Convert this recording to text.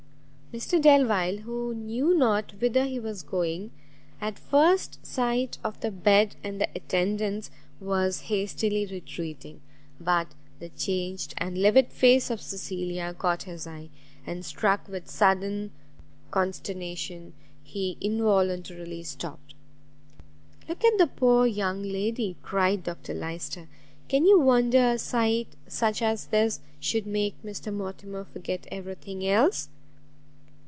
Mr Delvile, who knew not whither he was going, at first sight of the bed and the attendants, was hastily retreating; but the changed and livid face of Cecilia caught his eye, and, struck with sudden consternation, he involuntarily stopt. "Look at the poor young lady!" cried Dr Lyster; "can you wonder a sight such as this should make Mr Mortimer forget every thing else?"